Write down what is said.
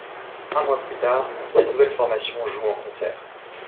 Un mois plus tard, la nouvelle formation joue en concert.